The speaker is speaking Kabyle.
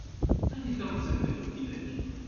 Anita i d tamdakelt-inek?